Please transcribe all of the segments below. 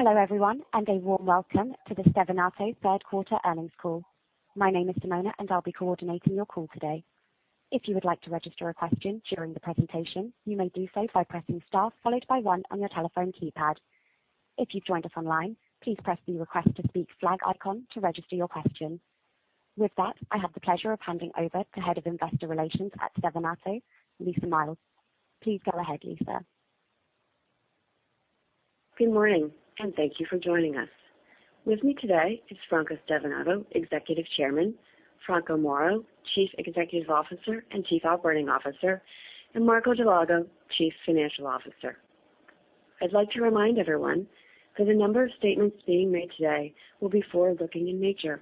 Hello, everyone, and a warm welcome to the Stevanato third quarter earnings call. My name is Simona, and I'll be coordinating your call today. If you would like to register a question during the presentation, you may do so by pressing Star followed by One on your telephone keypad. If you've joined us online, please press the Request to Speak flag icon to register your question. With that, I have the pleasure of handing over to Head of Investor Relations at Stevanato, Lisa Miles. Please go ahead, Lisa. Good morning, and thank you for joining us. With me today is Franco Stevanato, Executive Chairman, Franco Moro, Chief Executive Officer and Chief Operating Officer, and Marco Dal Lago, Chief Financial Officer. I'd like to remind everyone that a number of statements being made today will be forward-looking in nature.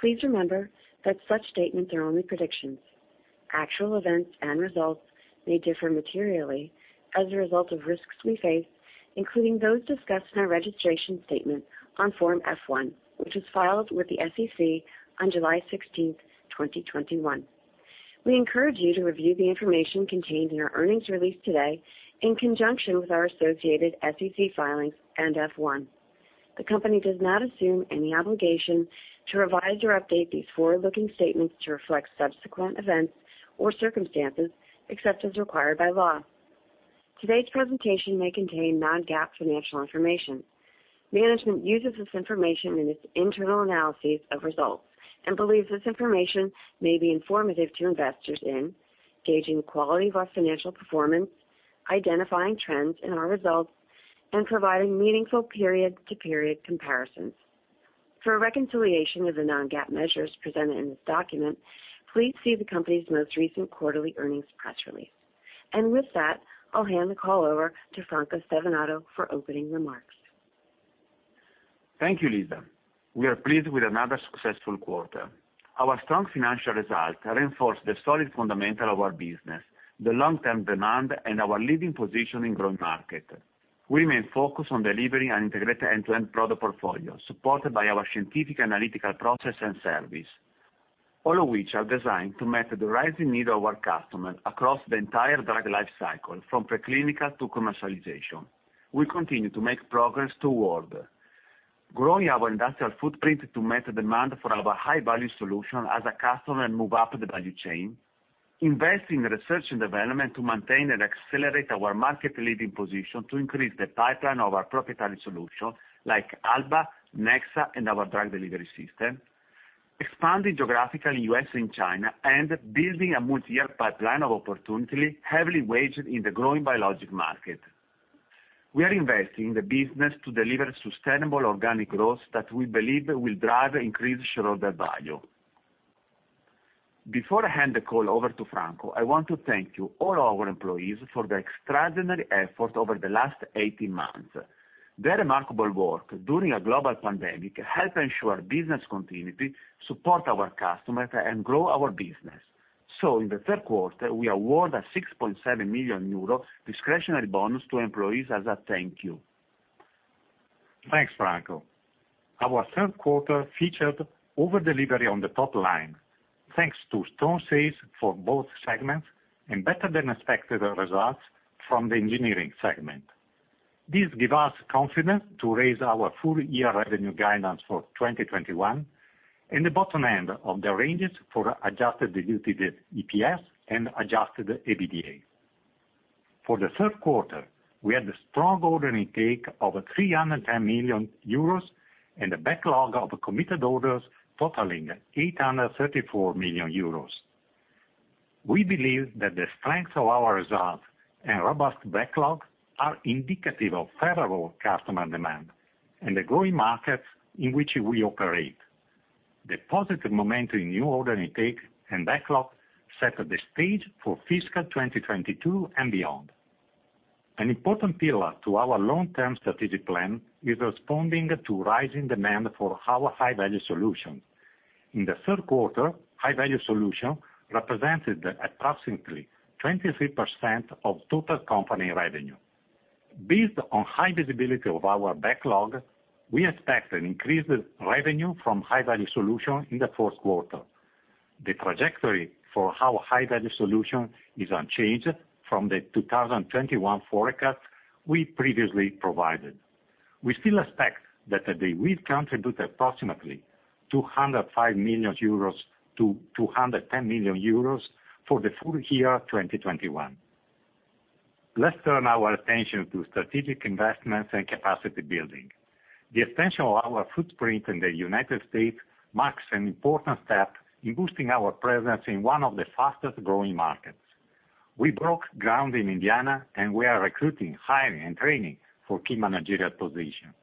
Please remember that such statements are only predictions. Actual events and results may differ materially as a result of risks we face, including those discussed in our registration statement on Form F-1, which was filed with the SEC on July 16, 2021. We encourage you to review the information contained in our earnings release today in conjunction with our associated SEC filings and F-1. The company does not assume any obligation to revise or update these forward-looking statements to reflect subsequent events or circumstances except as required by law. Today's presentation may contain non-GAAP financial information. Management uses this information in its internal analyses of results and believes this information may be informative to investors in gauging the quality of our financial performance, identifying trends in our results, and providing meaningful period-to-period comparisons. For a reconciliation of the non-GAAP measures presented in this document, please see the company's most recent quarterly earnings press release. With that, I'll hand the call over to Franco Stevanato for opening remarks. Thank you, Lisa. We are pleased with another successful quarter. Our strong financial results reinforce the solid fundamentals of our business, the long-term demand, and our leading position in a growing market. We remain focused on delivering an integrated end-to-end product portfolio supported by our scientifically analytical processes and services, all of which are designed to meet the rising needs of our customers across the entire drug life cycle from preclinical to commercialization. We continue to make progress toward growing our industrial footprint to meet the demand for our high-value solutions as customers move up the value chain, invest in research and development to maintain and accelerate our market-leading position to increase the pipeline of our proprietary solutions like Alba®, Nexa®, and our drug delivery system, expanding geographically in the U.S. and China, and building a multi-year pipeline of opportunity heavily weighted in the growing biologics market. We are investing in the business to deliver sustainable organic growth that we believe will drive increased shareholder value. Before I hand the call over to Franco, I want to thank you, all our employees, for the extraordinary effort over the last 18 months. Their remarkable work during a global pandemic help ensure business continuity, support our customers, and grow our business. In the third quarter, we award a 6.7 million euro discretionary bonus to employees as a thank you. Thanks, Franco. Our third quarter featured over delivery on the top line, thanks to strong sales for both segments and better than expected results from the engineering segment. This give us confidence to raise our full year revenue guidance for 2021 and the bottom end of the ranges for adjusted diluted EPS and adjusted EBITDA. For the third quarter, we had a strong order intake of 310 million euros and a backlog of committed orders totaling 834 million euros. We believe that the strength of our results and robust backlog are indicative of favorable customer demand and the growing markets in which we operate. The positive momentum in new order intake and backlog set the stage for fiscal 2022 and beyond. An important pillar to our long-term strategic plan is responding to rising demand for our high-value solutions. In the third quarter, high-value solutions represented approximately 23% of total company revenue. Based on high visibility of our backlog, we expect an increased revenue from high-value solutions in the fourth quarter. The trajectory for our high-value solutions is unchanged from the 2021 forecast we previously provided. We still expect that they will contribute approximately 205 million-210 million euros for the full year 2021. Let's turn our attention to strategic investments and capacity building. The extension of our footprint in the United States marks an important step in boosting our presence in one of the fastest-growing markets. We broke ground in Indiana, and we are recruiting, hiring, and training for key managerial positions.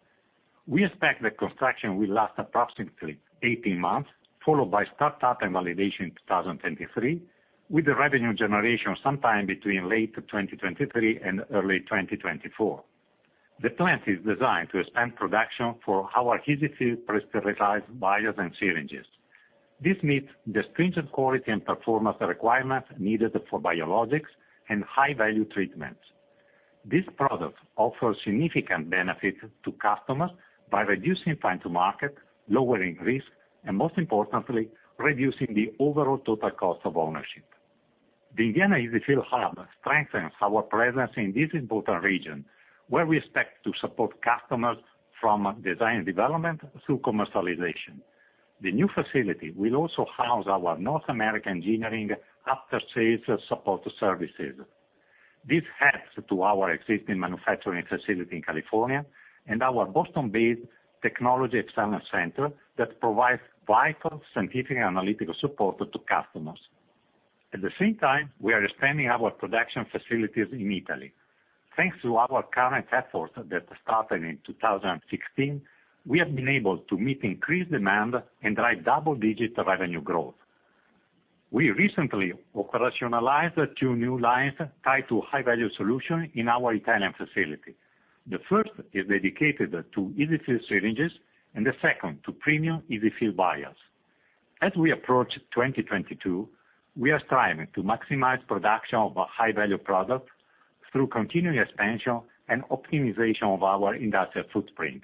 We expect the construction will last approximately 18 months, followed by startup and validation in 2023, with the revenue generation sometime between late 2023 and early 2024. The plant is designed to expand production for our easy-to-use presterilized vials and syringes. This meets the stringent quality and performance requirements needed for biologics and high-value treatments. This product offers significant benefits to customers by reducing time to market, lowering risk, and most importantly, reducing the overall total cost of ownership. The Indiana EZ-fill® hub strengthens our presence in this important region, where we expect to support customers from design and development through commercialization. The new facility will also house our North American engineering after-sales support services. This adds to our existing manufacturing facility in California and our Boston-based technology external center that provides vital scientific and analytical support to customers. At the same time, we are expanding our production facilities in Italy. Thanks to our current efforts that started in 2016, we have been able to meet increased demand and drive double-digit revenue growth. We recently operationalized 2 new lines tied to high-value solutions in our Italian facility. The first is dedicated to EZ-fill® syringes, and the second to premium EZ-fill® vials. As we approach 2022, we are striving to maximize production of our high-value products through continued expansion and optimization of our industrial footprint.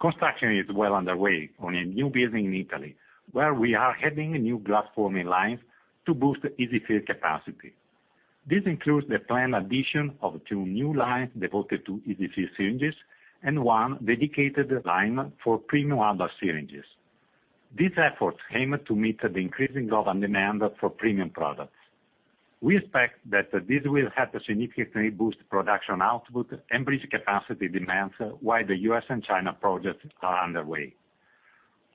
Construction is well underway on a new building in Italy, where we are adding new glass forming lines to boost EZ-fill® capacity. This includes the planned addition of 2 new lines devoted to EZ-fill® syringes and 1 dedicated line for premium amber syringes. These efforts aim to meet the increasing global demand for premium products. We expect that this will help significantly boost production output and bridge capacity demands while the U.S. and China projects are underway.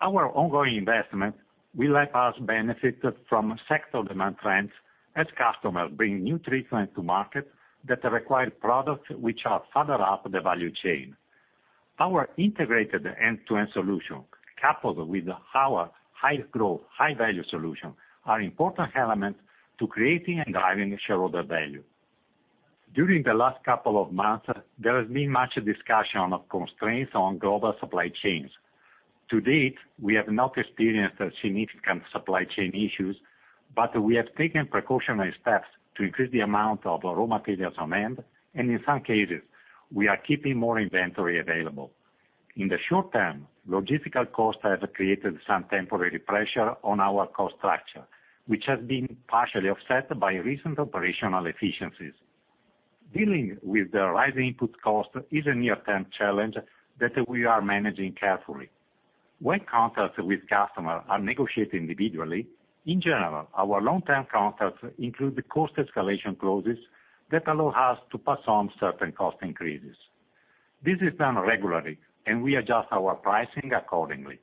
Our ongoing investment will help us benefit from sector demand trends as customers bring new treatments to market that require products which are further up the value chain. Our integrated end-to-end solution, coupled with our highest growth, high-value solutions, are important elements to creating and driving shareholder value. During the last couple of months, there has been much discussion of constraints on global supply chains. To date, we have not experienced significant supply chain issues, but we have taken precautionary steps to increase the amount of raw materials on hand, and in some cases, we are keeping more inventory available. In the short term, logistical costs have created some temporary pressure on our cost structure, which has been partially offset by recent operational efficiencies. Dealing with the rising input cost is a near-term challenge that we are managing carefully. When contracts with customers are negotiated individually, in general, our long-term contracts include the cost escalation clauses that allow us to pass on certain cost increases. This is done regularly, and we adjust our pricing accordingly.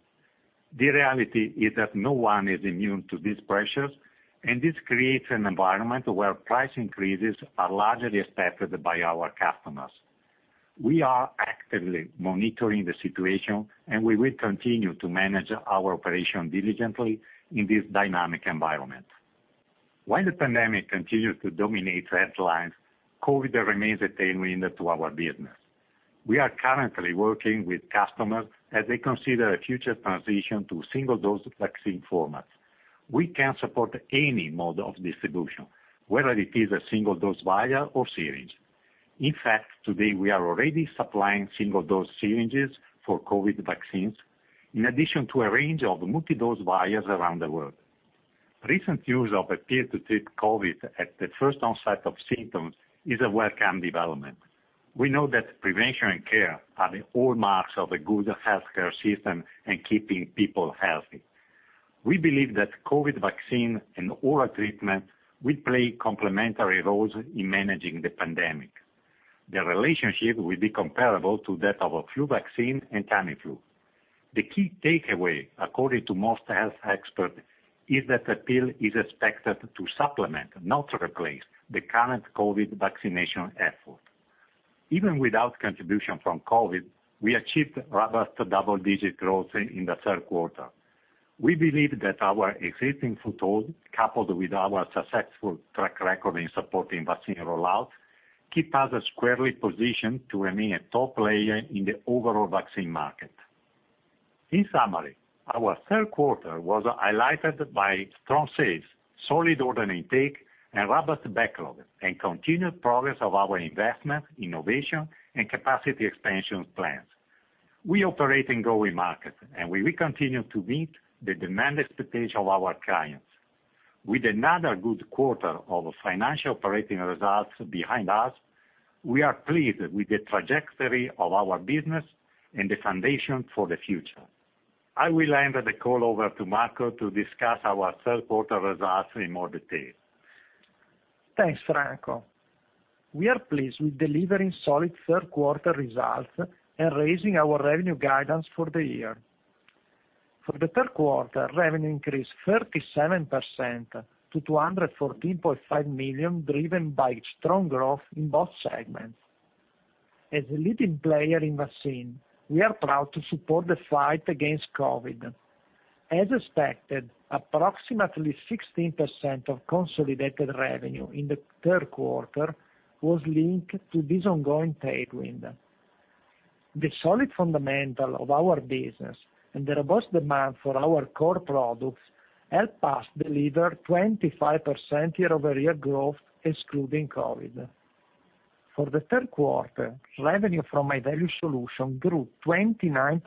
The reality is that no one is immune to these pressures, and this creates an environment where price increases are largely expected by our customers. We are actively monitoring the situation, and we will continue to manage our operation diligently in this dynamic environment. While the pandemic continues to dominate headlines, COVID remains a tailwind to our business. We are currently working with customers as they consider a future transition to single-dose vaccine formats. We can support any mode of distribution, whether it is a single-dose vial or syringe. In fact, today, we are already supplying single-dose syringes for COVID vaccines, in addition to a range of multi-dose vials around the world. Recent use of a pill to treat COVID at the first onset of symptoms is a welcome development. We know that prevention and care are the hallmarks of a good healthcare system and keeping people healthy. We believe that COVID vaccine and oral treatment will play complementary roles in managing the pandemic. The relationship will be comparable to that of a flu vaccine and Tamiflu. The key takeaway, according to most health experts, is that the pill is expected to supplement, not replace, the current COVID vaccination effort. Even without contribution from COVID, we achieved robust double-digit growth in the third quarter. We believe that our existing foothold, coupled with our successful track record in supporting vaccine rollout, keep us squarely positioned to remain a top player in the overall vaccine market. In summary, our third quarter was highlighted by strong sales, solid order intake, and robust backlog, and continued progress of our investment, innovation, and capacity expansion plans. We operate in growing markets, and we will continue to meet the demand expectation of our clients. With another good quarter of financial operating results behind us, we are pleased with the trajectory of our business and the foundation for the future. I will hand the call over to Marco to discuss our third quarter results in more detail. Thanks, Franco. We are pleased with delivering solid third quarter results and raising our revenue guidance for the year. For the third quarter, revenue increased 37% to 214.5 million, driven by strong growth in both segments. As a leading player in vaccine, we are proud to support the fight against COVID. As expected, approximately 16% of consolidated revenue in the third quarter was linked to this ongoing tailwind. The solid fundamental of our business and the robust demand for our core products helped us deliver 25% year-over-year growth excluding COVID. For the third quarter, revenue from high-value solution grew 29%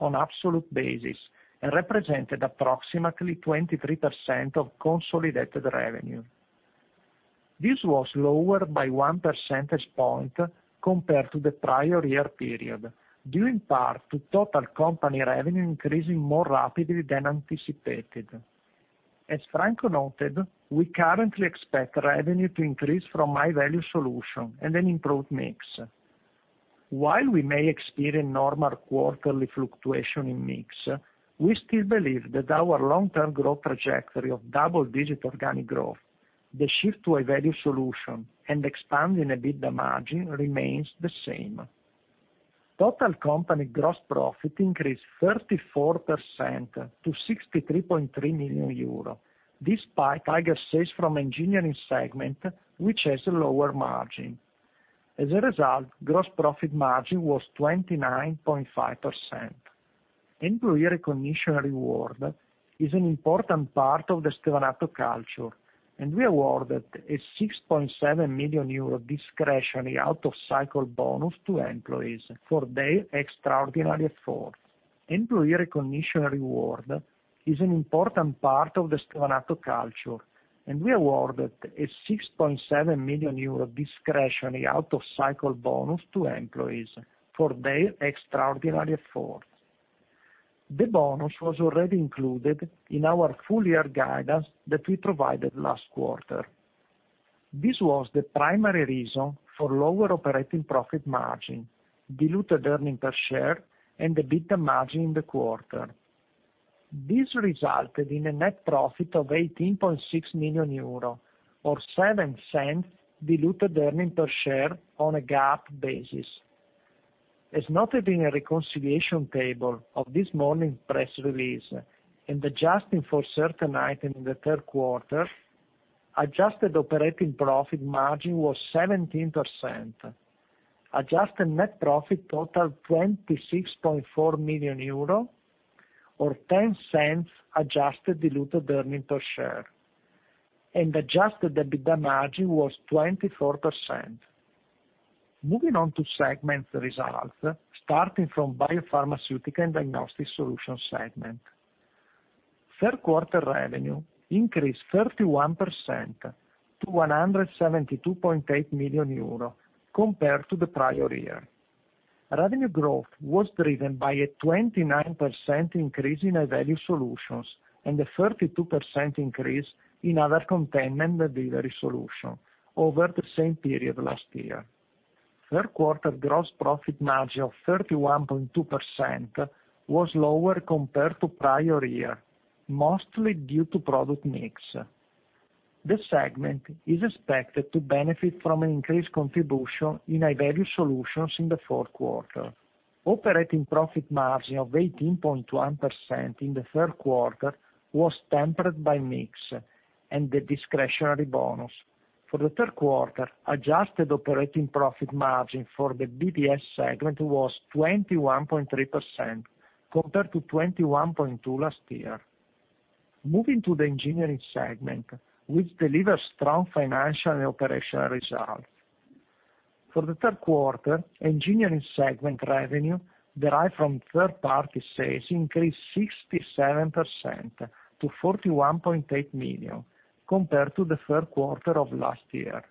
on absolute basis and represented approximately 23% of consolidated revenue. This was lower by one percentage point compared to the prior year period, due in part to total company revenue increasing more rapidly than anticipated. As Franco noted, we currently expect revenue to increase from high-value solution and an improved mix. While we may experience normal quarterly fluctuation in mix, we still believe that our long-term growth trajectory of double-digit organic growth, the shift to a value solution, and expanding EBITDA margin remains the same. Total company gross profit increased 34% to 63.3 million euro, despite higher sales from engineering segment, which has a lower margin. As a result, gross profit margin was 29.5%. Employee recognition reward is an important part of the Stevanato culture, and we awarded a 6.7 million euro discretionary out of cycle bonus to employees for their extraordinary effort. The bonus was already included in our full year guidance that we provided last quarter. This was the primary reason for lower operating profit margin, diluted earnings per share, and EBITDA margin in the quarter. This resulted in a net profit of 18.6 million euro or 7 cents diluted earnings per share on a GAAP basis. As noted in a reconciliation table of this morning's press release and adjusting for certain items in the third quarter, adjusted operating profit margin was 17%. Adjusted net profit totaled 26.4 million euro or 10 cents adjusted diluted earnings per share and adjusted EBITDA margin was 24%. Moving on to segment results, starting from Biopharmaceutical and Diagnostic Solutions segment. Third quarter revenue increased 31% to 172.8 million euro compared to the prior year. Revenue growth was driven by a 29% increase in high-value solutions and a 32% increase in other containment delivery solution over the same period last year. Third-quarter gross profit margin of 31.2% was lower compared to prior year, mostly due to product mix. The segment is expected to benefit from an increased contribution in high-value solutions in the fourth quarter. Operating profit margin of 18.1% in the third quarter was tempered by mix and the discretionary bonus. For the third quarter, adjusted operating profit margin for the BDS segment was 21.3% compared to 21.2% last year. Moving to the engineering segment, which delivers strong financial and operational results. For the third quarter, engineering segment revenue derived from third-party sales increased 67% to 41.8 million compared to the third quarter of last year.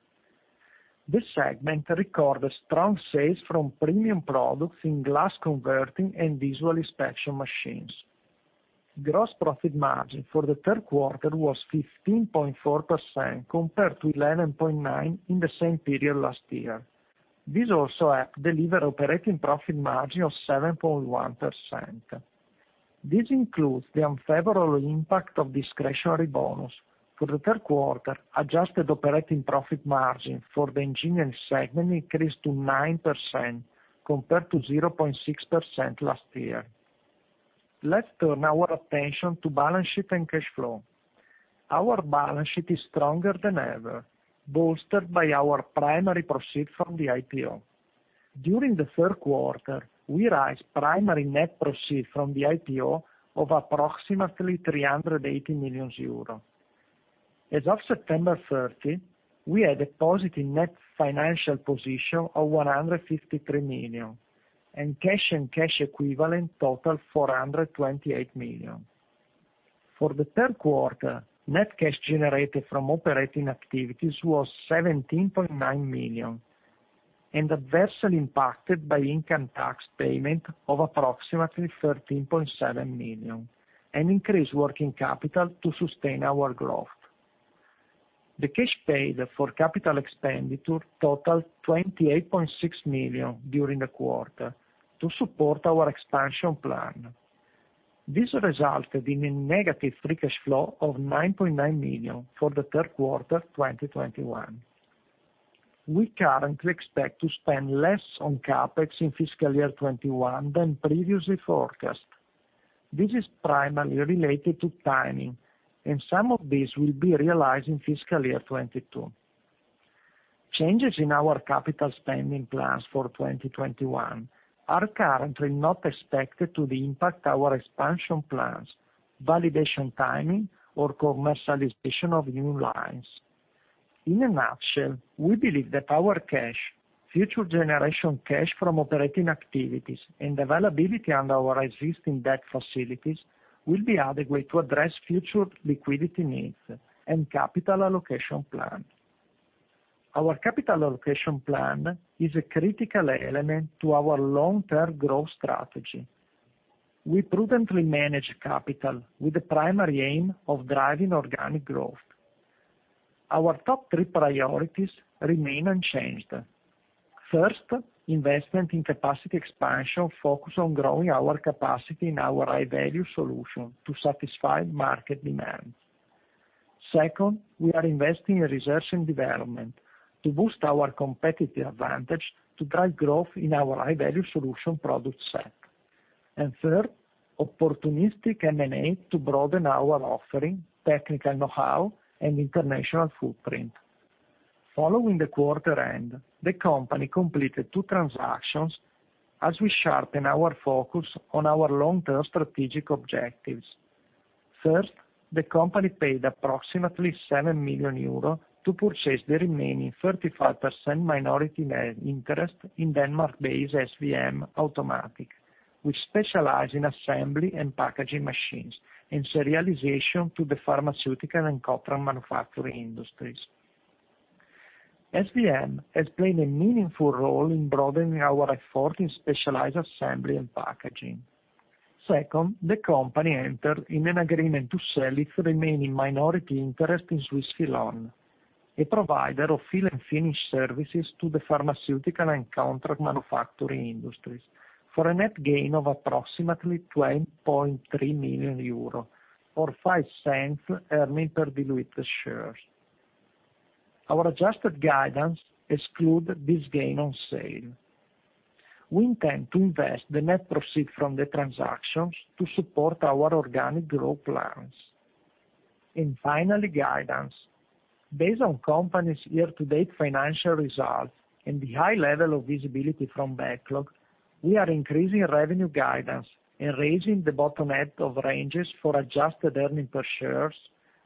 The segment recorded strong sales from premium products in glass converting and visual inspection machines. Gross profit margin for the third quarter was 15.4% compared to 11.9% in the same period last year. This also helped deliver operating profit margin of 7.1%. This includes the unfavorable impact of discretionary bonus. For the third quarter, adjusted operating profit margin for the engineering segment increased to 9% compared to 0.6% last year. Let's turn our attention to balance sheet and cash flow. Our balance sheet is stronger than ever, bolstered by our primary proceeds from the IPO. During the third quarter, we raised primary net proceeds from the IPO of approximately 380 million euro. As of September 30, we had a positive net financial position of 153 million, and cash and cash equivalents totaled 428 million. For the third quarter, net cash generated from operating activities was 17.9 million and adversely impacted by income tax payment of approximately 13.7 million and increased working capital to sustain our growth. The cash paid for capital expenditure totaled 28.6 million during the quarter to support our expansion plan. This resulted in a negative free cash flow of 9.9 million for the third quarter of 2021. We currently expect to spend less on CapEx in fiscal year 2021 than previously forecast. This is primarily related to timing, and some of this will be realized in fiscal year 2022. Changes in our capital spending plans for 2021 are currently not expected to impact our expansion plans, validation timing, or commercialization of new lines. In a nutshell, we believe that our cash, future generation cash from operating activities and availability under our existing debt facilities will be adequate to address future liquidity needs and capital allocation plans. Our capital allocation plan is a critical element to our long-term growth strategy. We prudently manage capital with the primary aim of driving organic growth. Our top three priorities remain unchanged. First, investment in capacity expansion focus on growing our capacity in our high-value solution to satisfy market demand. Second, we are investing in research and development to boost our competitive advantage to drive growth in our high-value solution product set. Third, opportunistic M&A to broaden our offering, technical know-how and international footprint. Following the quarter end, the company completed two transactions as we sharpen our focus on our long-term strategic objectives. First, the company paid approximately 7 million euro to purchase the remaining 35% minority interest in Denmark-based SVM Automatik, which specializes in assembly and packaging machines and serialization to the pharmaceutical and contract manufacturing industries. SVM Automatik has played a meaningful role in broadening our effort in specialized assembly and packaging. Second, the company entered into an agreement to sell its remaining minority interest in Swissfillon, a provider of fill and finish services to the pharmaceutical and contract manufacturing industries, for a net gain of approximately 20.3 million euro or 0.05 earnings per diluted share. Our adjusted guidance excludes this gain on sale. We intend to invest the net proceeds from the transactions to support our organic growth plans. Finally, guidance. Based on the company's year-to-date financial results and the high level of visibility from backlog, we are increasing revenue guidance and raising the bottom half of ranges for adjusted earnings per share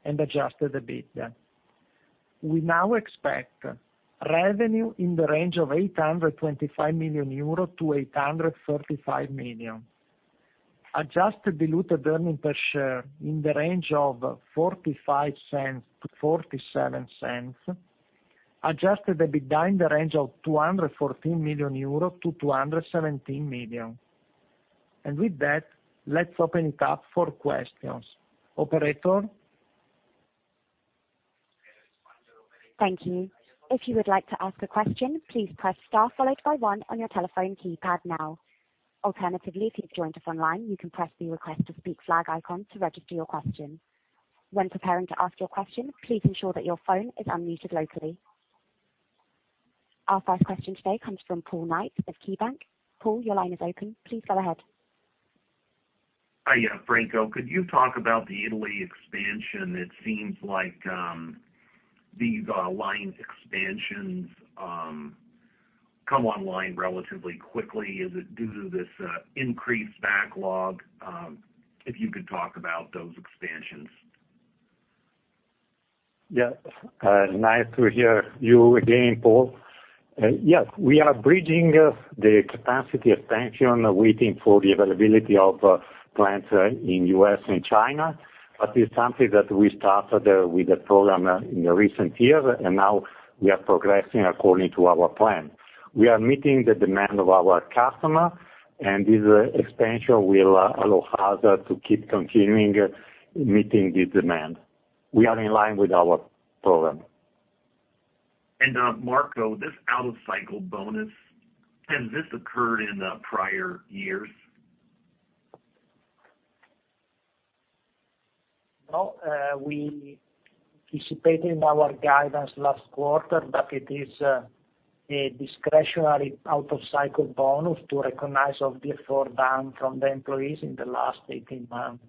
and adjusted EBITDA. We now expect revenue in the range of 825 million-835 million euro. Adjusted diluted earnings per share in the range of €0.45-€0.47. Adjusted EBITDA in the range of 214 million-217 million euro. With that, let's open it up for questions. Operator? Thank you. If you would like to ask a question, please press star followed by one on your telephone keypad now. Alternatively, if you've joined us online, you can press the Request to Speak flag icon to register your question. When preparing to ask your question, please ensure that your phone is unmuted locally. Our first question today comes from Paul Knight of KeyBanc Capital Markets. Paul, your line is open. Please go ahead. Hi. Yeah, Franco, could you talk about the Italy expansion? It seems like these line expansions come online relatively quickly. Is it due to this increased backlog? If you could talk about those expansions. Yeah. Nice to hear you again, Paul. Yes, we are bridging the capacity expansion, waiting for the availability of plants in U.S. and China, but it's something that we started with the program in the recent years, and now we are progressing according to our plan. We are meeting the demand of our customer, and this expansion will allow us to keep continuing meeting the demand. We are in line with our program. Marco, this out-of-cycle bonus, has this occurred in the prior years? No, we anticipated in our guidance last quarter that it is a discretionary out-of-cycle bonus to recognize all the effort done from the employees in the last 18 months.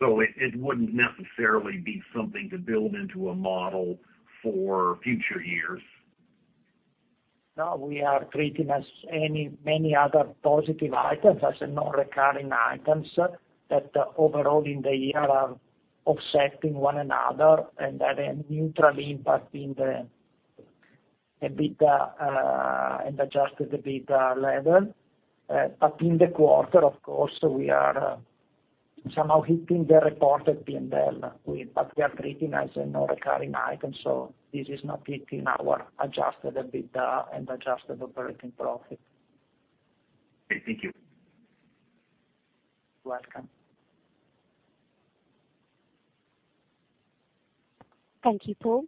It wouldn't necessarily be something to build into a model for future years? No, we are treating, as many other positive items, as non-recurring items that overall in the year are offsetting one another and have a neutral impact on the EBITDA and adjusted EBITDA level. In the quarter, of course, we are somehow hitting the reported P&L. We are treating as a non-recurring item, so this is not hitting our adjusted EBITDA and adjusted operating profit. Okay, thank you. Welcome. Thank you, Paul.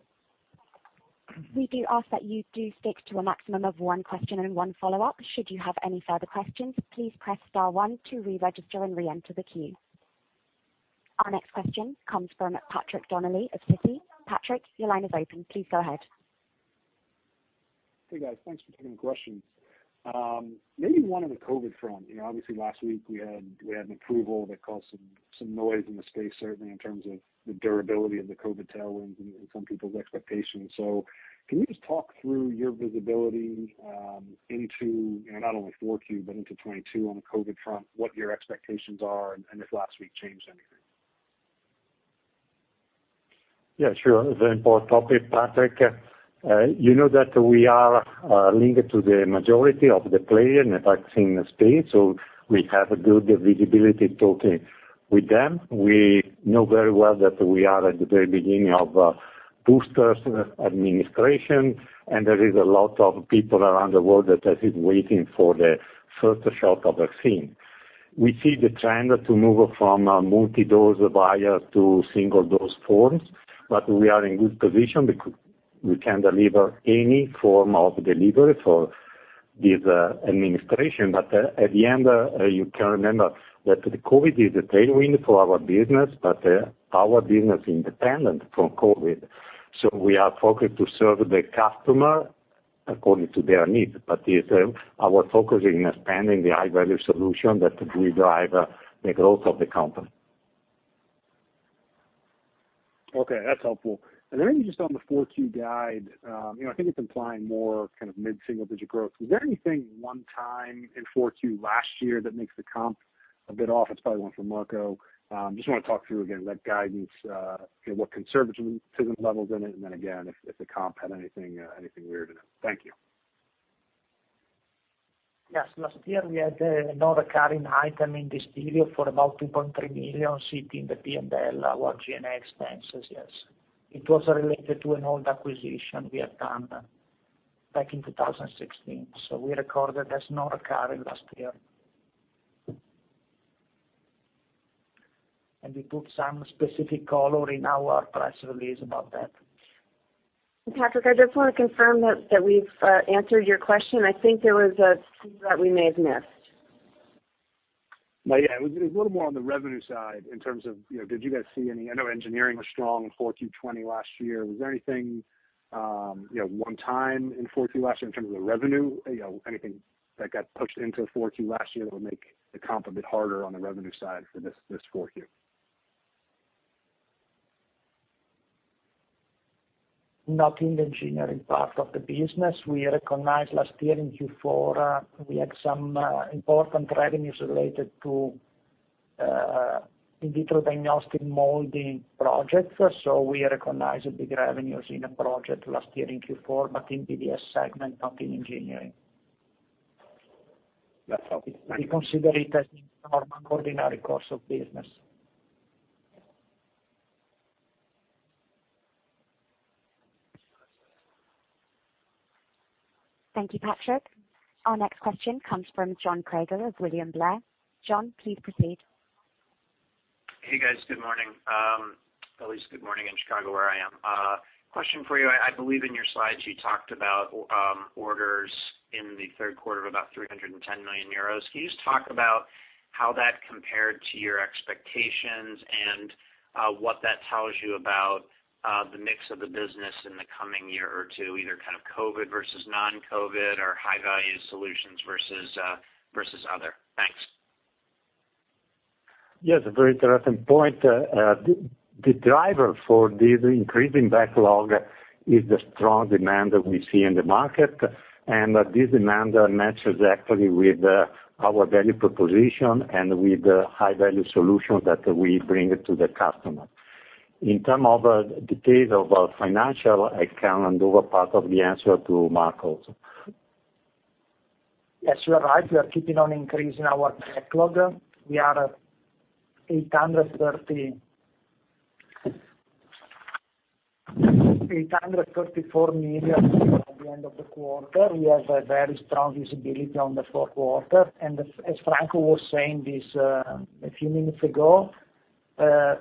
We do ask that you do stick to a maximum of one question and one follow-up. Should you have any further questions, please press star one to re-register and re-enter the queue. Our next question comes from Patrick Donnelly of Citi. Patrick, your line is open. Please go ahead. Hey, guys. Thanks for taking the questions. Maybe one on the COVID front. You know, obviously last week we had an approval that caused some noise in the space, certainly in terms of the durability of the COVID tailwinds and some people's expectations. Can you just talk through your visibility into, you know, not only 4Q but into 2022 on the COVID front, what your expectations are, and if last week changed anything? Yeah, sure. Very important topic, Patrick. You know that we are linked to the majority of the players in the vaccine space, so we have good visibility talking with them. We know very well that we are at the very beginning of boosters administration, and there is a lot of people around the world that are still waiting for the first shot of vaccine. We see the trend to move from a multi-dose vial to single dose forms, but we are in good position because we can deliver any form of delivery for this administration. At the end, you can remember that the COVID is a tailwind for our business, but our business independent from COVID. We are focused to serve the customer according to their needs. It is our focus in expanding the high-value solutions that will drive the growth of the company. Okay, that's helpful. Just on the Q4 guide, you know, I think it's implying more kind of mid-single-digit growth. Was there anything one-time in Q4 last year that makes the comp a bit off? It's probably one for Marco. Just wanna talk through, again, that guidance, you know, what conservatism level's in it, and then again, if the comp had anything weird in it. Thank you. Yes. Last year we had a non-recurring item in this period for about 2.3 million sitting in the P&L, our G&A expenses, yes. It was related to an old acquisition we had done back in 2016. We recorded as non-recurring last year. We put some specific color in our press release about that. Patrick, I just want to confirm that we've answered your question. I think there was a piece that we may have missed. No, yeah. It was a little more on the revenue side in terms of, you know, did you guys see any? I know engineering was strong in Q4 2020 last year. Was there anything, you know, one-time in Q4 last year in terms of the revenue? You know, anything that got pushed into Q4 last year that would make the comp a bit harder on the revenue side for this Q4? Not in the engineering part of the business. We recognized last year in Q4 some important revenues related to in vitro diagnostic molding projects. We recognized big revenues in a project last year in Q4, but in BDS segment, not in engineering. That's all. We consider it as normal ordinary course of business. Thank you, Patrick. Our next question comes from John Kreger of William Blair. John, please proceed. Hey, guys. Good morning. At least good morning in Chicago, where I am. Question for you. I believe in your slides you talked about orders in the third quarter of about 310 million euros. Can you just talk about how that compared to your expectations and what that tells you about the mix of the business in the coming year or two, either kind of COVID versus non-COVID or high-value solutions versus other? Thanks. Yes, a very interesting point. The driver for this increasing backlog is the strong demand that we see in the market. This demand matches actually with our value proposition and with the high-value solutions that we bring to the customer. In terms of details of financial, I can hand over part of the answer to Marco. Yes, you are right. We are keeping on increasing our backlog. We are 834 million at the end of the quarter. We have a very strong visibility on the fourth quarter. As Franco was saying this a few minutes ago,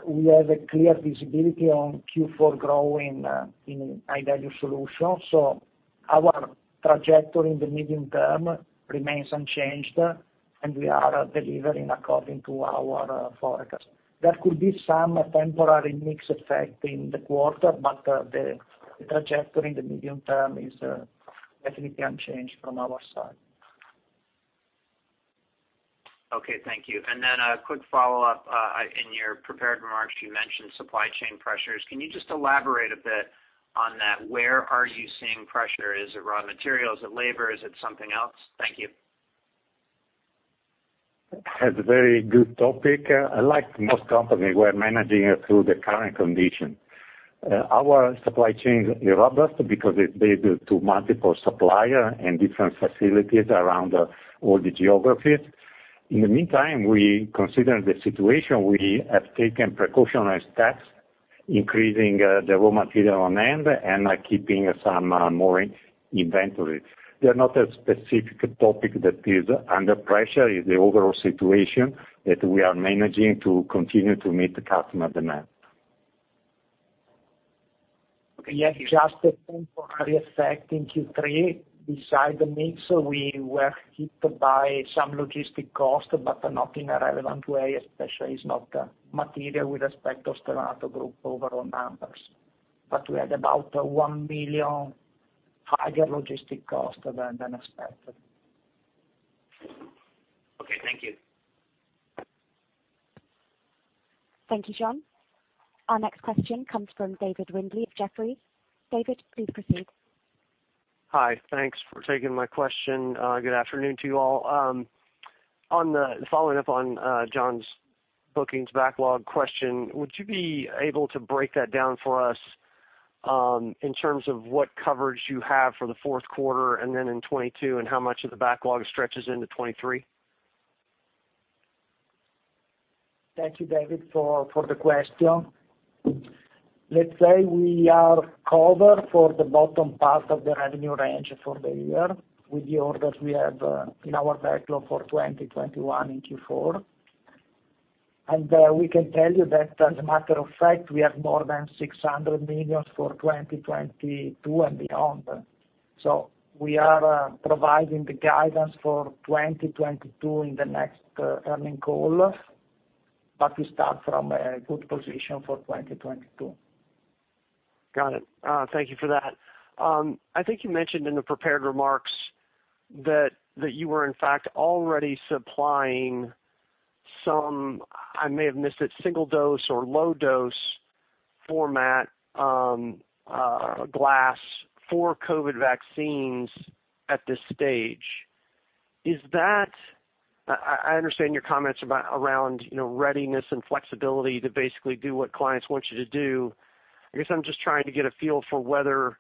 we have a clear visibility on Q4 growing in high-value solutions. Our trajectory in the medium term remains unchanged, and we are delivering according to our forecast. There could be some temporary mix effect in the quarter, but the trajectory in the medium term is definitely unchanged from our side. Okay, thank you. A quick follow-up. In your prepared remarks, you mentioned supply chain pressures. Can you just elaborate a bit on that? Where are you seeing pressure? Is it raw materials? Is it labor? Is it something else? Thank you. That's a very good topic. Like most companies, we're managing through the current condition. Our supply chain is robust because it's based on multiple suppliers and different facilities around all the geographies. In the meantime, we consider the situation, we have taken precautionary steps, increasing the raw material on hand and keeping some more inventory. There's not a specific topic that is under pressure, it's the overall situation that we are managing to continue to meet the customer demand. We have just a temporary effect in Q3. Besides the mix, we were hit by some logistics costs, but not in a relevant way especially. It's not material with respect to Stevanato Group overall numbers. We had about 1 million higher logistics costs than expected. Okay, thank you. Thank you, John. Our next question comes from David Windley of Jefferies. David, please proceed. Hi. Thanks for taking my question. Good afternoon to you all. Following up on John's bookings backlog question, would you be able to break that down for us in terms of what coverage you have for the fourth quarter and then in 2022, and how much of the backlog stretches into 2023? Thank you, David, for the question. Let's say we are covered for the bottom part of the revenue range for the year with the orders we have in our backlog for 2021 in Q4. We can tell you that as a matter of fact, we have more than 600 million for 2022 and beyond. We are providing the guidance for 2022 in the next earnings call, but we start from a good position for 2022. Got it. Thank you for that. I think you mentioned in the prepared remarks that you were in fact already supplying some, I may have missed it, single dose or low dose format glass for COVID vaccines at this stage. Is that I understand your comments about around, you know, readiness and flexibility to basically do what clients want you to do. I guess I'm just trying to get a feel for whether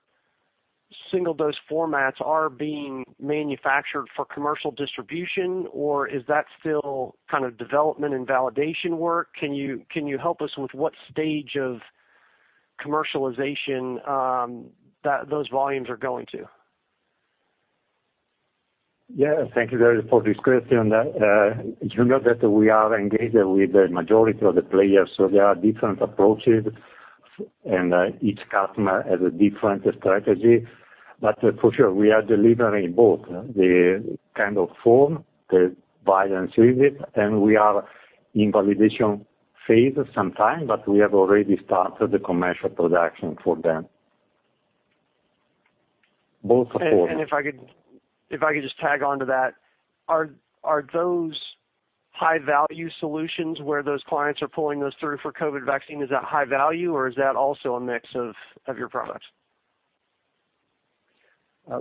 single dose formats are being manufactured for commercial distribution or is that still kind of development and validation work? Can you help us with what stage of commercialization those volumes are going to? Yeah. Thank you, David, for this question. You know that we are engaged with the majority of the players, so there are different approaches and each customer has a different strategy. For sure, we are delivering both the kind of formats the buyer requires, and we are in validation phase sometimes, but we have already started the commercial production for them. Both forms. If I could just tag on to that, are those high value solutions where those clients are pulling those through for COVID vaccine, is that high value or is that also a mix of your products?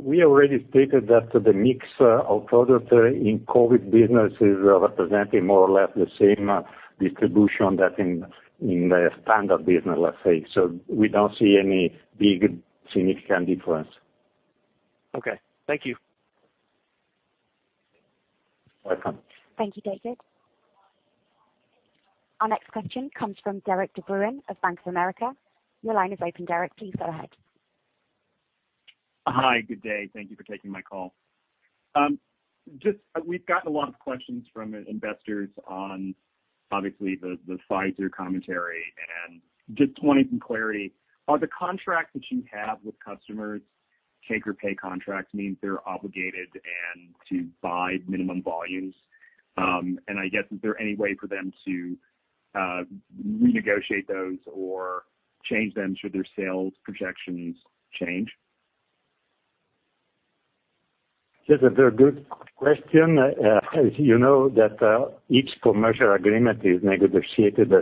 We already stated that the mix of product in COVID business is representing more or less the same distribution that in the standard business, let's say. We don't see any big significant difference. Okay. Thank you. Welcome. Thank you, David. Our next question comes from Derik De Bruin of Bank of America. Your line is open, Derik. Please go ahead. Hi. Good day. Thank you for taking my call. Just we've gotten a lot of questions from investors on obviously the Pfizer commentary and just wanting some clarity. Are the contracts that you have with customers take or pay contracts, means they're obligated and to buy minimum volumes? I guess, is there any way for them to renegotiate those or change them should their sales projections change? Yes, that's a very good question. As you know that, each commercial agreement is negotiated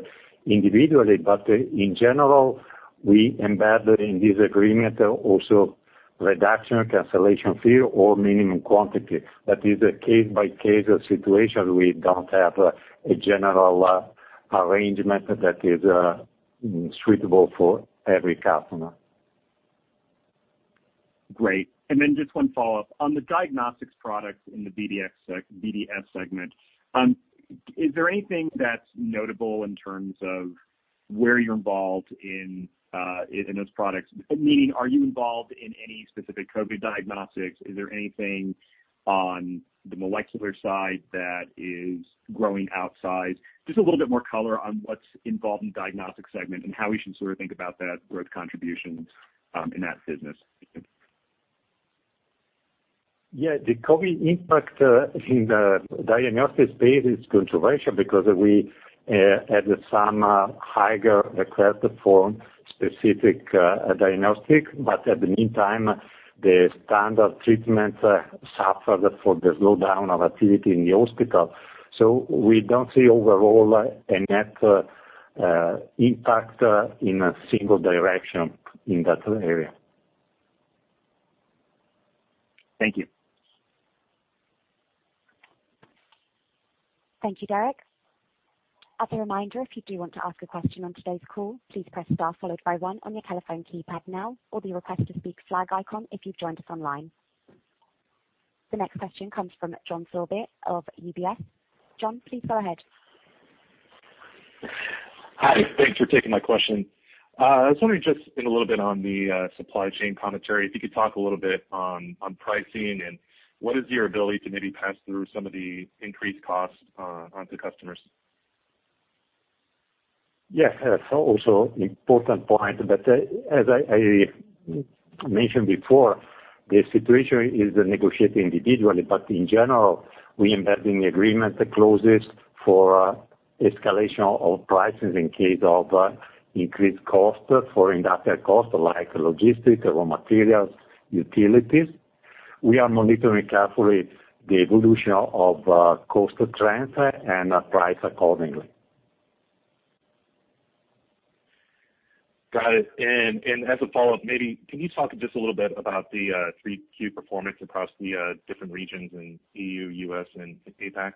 individually, but in general, we embed in this agreement also reduction, cancellation fee or minimum quantity. That is a case-by-case situation. We don't have a general, arrangement that is, suitable for every customer. Great. Just one follow-up. On the diagnostics products in the BDS segment, is there anything that's notable in terms of where you're involved in those products? Meaning, are you involved in any specific COVID diagnostics? Is there anything on the molecular side that is growing outside? Just a little bit more color on what's involved in diagnostic segment and how we should sort of think about that growth contribution in that business. Yeah. The COVID impact in the diagnostics space is controversial because we had some higher requests for specific diagnostics, but at the same time, the standard treatment suffered from the slowdown of activity in the hospital. We don't see overall a net impact in a single direction in that area. Thank you. Thank you, Derik. As a reminder, if you do want to ask a question on today's call, please press star followed by one on your telephone keypad now, or the request to speak flag icon if you've joined us online. The next question comes from John Sourbeer of UBS. John, please go ahead. Hi. Thanks for taking my question. I was wondering just a little bit on the supply chain commentary, if you could talk a little bit on pricing and what is your ability to maybe pass through some of the increased costs onto customers? Yes. Also important point, but, as I mentioned before, the situation is negotiated individually, but in general, we embed in the agreement clauses for escalation of prices in case of increased cost for industrial cost, like logistics, raw materials, utilities. We are monitoring carefully the evolution of cost trends and price accordingly. Got it. As a follow-up, maybe can you talk just a little bit about the 3Q performance across the different regions in E.U., U.S., and APAC?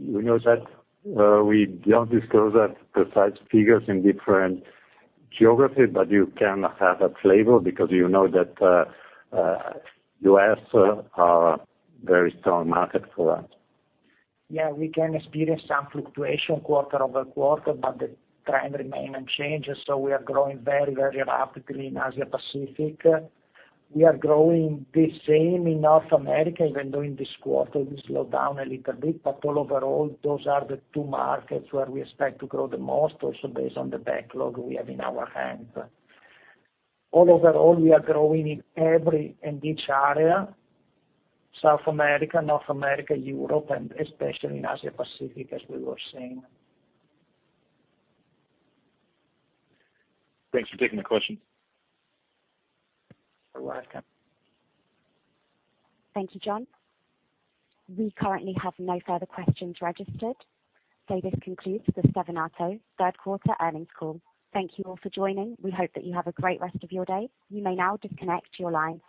You know that we don't disclose that precise figures in different geographies, but you can have a flavor because you know that U.S. are very strong market for us. Yeah. We can experience some fluctuation quarter-over-quarter, but the trend remain unchanged. We are growing very, very rapidly in Asia Pacific. We are growing the same in North America, even though in this quarter we slowed down a little bit. All overall, those are the two markets where we expect to grow the most also based on the backlog we have in our hands. All overall, we are growing in every and each area, South America, North America, Europe, and especially in Asia Pacific, as we were saying. Thanks for taking the question. You're welcome. Thank you, John. We currently have no further questions registered. This concludes the Stevanato third quarter earnings call. Thank you all for joining. We hope that you have a great rest of your day. You may now disconnect your lines.